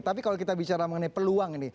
tapi kalau kita bicara mengenai peluang ini